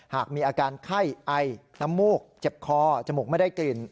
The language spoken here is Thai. หากมีอาการไข้ไอน้ำมูกเจ็บคอจมูกไม่ได้กลิ่น